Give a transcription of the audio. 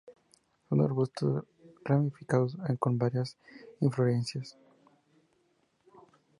Son arbustos ramificados con varias inflorescencias.